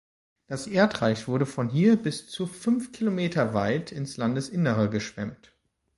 Das Erdreich wurde von hier bis zu fünf Kilometer weit ins Landesinnere geschwemmt.